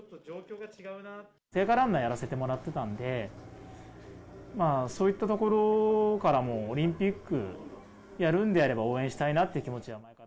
聖火ランナーやらせてもらってたんで、そういったところからもオリンピックやるんであれば、応援したいなって気持ちは前から。